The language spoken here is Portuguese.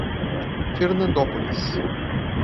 Fernandópolis